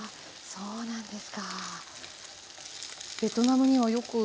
そうなんです。